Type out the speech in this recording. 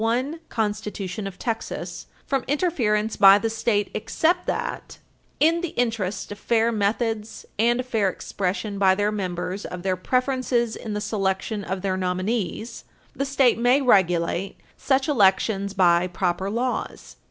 1, Constitution of Texas, from interference by the state except that: "In the interest of fair methods and a fair expression by their members of their preferences in the selection of their Page 321 U. S. 655 nominees, the State may regulate such elections by proper laws."